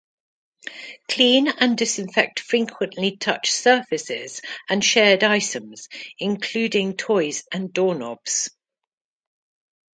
Clean and disinfect frequently touched surfaces and shared items, including toys and doorknobs.